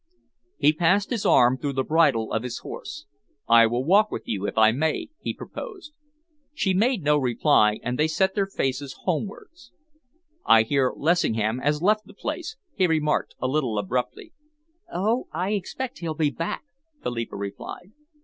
He passed his arm through the bridle of his horse. "I will walk with you, if I may," he proposed. She made no reply, and they set their faces homewards. "I hear Lessingham has left the place," he remarked, a little abruptly. "Oh, I expect he'll come back," Philippa replied.